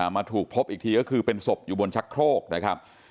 มาถูกพบอีกทีก็คือเป็นศพอยู่บนชักโครกนะครับ